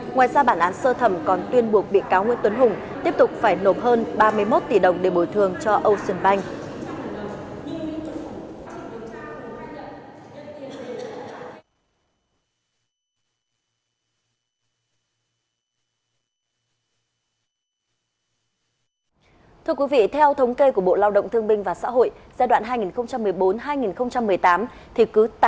ngoài ra bản án sơ thẩm còn tuyên buộc bị cáo nguyễn tuấn hùng tiếp tục phải nộp hơn ba mươi một tỷ đồng để bồi thường cho ocean bank